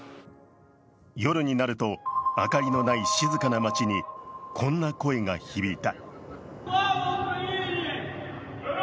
夜になると、明かりのない静かな街にこんな声が響いた。